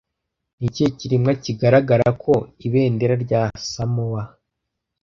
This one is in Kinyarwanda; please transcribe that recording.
Ni ikihe kiremwa kigaragara ku ibendera rya Samoa